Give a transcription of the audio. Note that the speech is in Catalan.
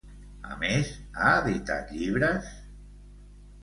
A més, ha editat llibres?